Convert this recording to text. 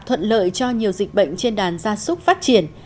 thuận lợi cho nhiều dịch bệnh trên đàn gia súc phát triển